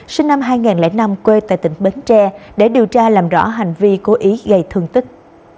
sinh năm hai nghìn năm quê tại tỉnh bến tre để điều tra làm rõ hành vi cố ý gây thương tích